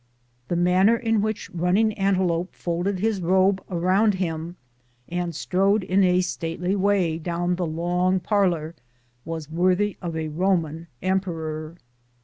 The manner in which Running Antelope folded his robe around him and strode in a stately way down the long parlor was worthy of a Roman emperor.